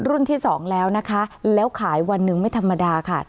ที่สองแล้วนะคะแล้วขายวันหนึ่งไม่ธรรมดาค่ะ